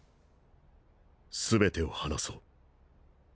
全てを話そう。